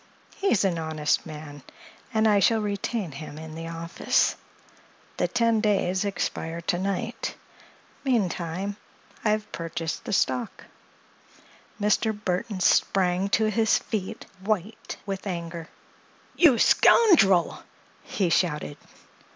He's an honest man, and I shall retain him in the office. The ten days expire to night. Meantime, I've purchased the stock." Mr. Burthon sprang to his feet, white with anger. "You scoundrel!" he shouted.